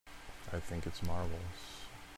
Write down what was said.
I think it's marvelous.